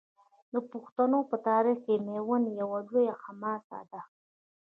د پښتنو په تاریخ کې میوند یوه لویه حماسه ده.